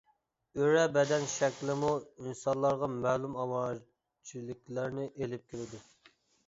ئۆرە بەدەن شەكلىمۇ ئىنسانلارغا مەلۇم ئاۋارىچىلىكلەرنى ئېلىپ كېلىدۇ.